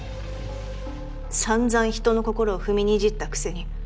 さんざん人の心を踏みにじったくせに。